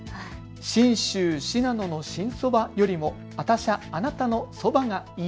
信州信濃の新そばよりもあたしゃあなたのそばがいい。